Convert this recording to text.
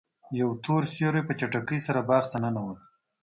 یو تور سیوری په چټکۍ سره باغ ته ننوت.